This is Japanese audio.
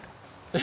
え？